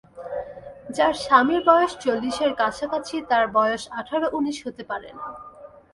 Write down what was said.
যার স্বামীর বয়স চল্লিশের কাছাকাছি তার বয়স আঠার-উনিশ হতে পারে না।